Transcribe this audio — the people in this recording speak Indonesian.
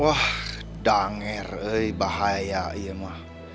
wah dangar bahaya